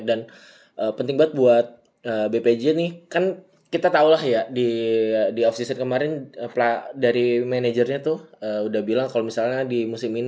dan penting banget buat bpj nih kan kita tahulah ya di offseason kemarin dari managernya tuh udah bilang kalau misalnya di musim ini